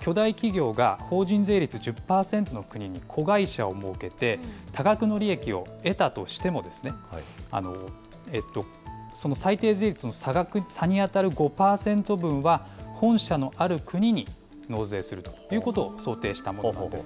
巨大企業が法人税率１０％の国に子会社を設けて、多額の利益を得たとしてもですね、その最低税率の差に当たる５％分は本社のある国に納税するということを想定したものなんです。